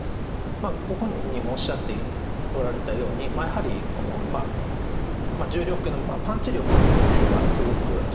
まあご本人もおっしゃっておられたようにやはり重量級のパンチ力がすごく。